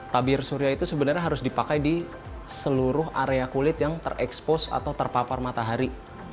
tabir surya itu sebenarnya harus dipakai di seluruh area kulit yang terekspos atau terpapar matahari